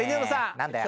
何だよ？